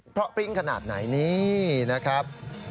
เพราะปริ้งขนาดไหนนี่นะครับ